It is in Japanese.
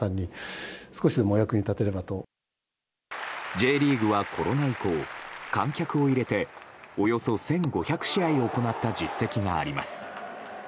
Ｊリーグはコロナ以降観客を入れておよそ１５００試合行った実績があります。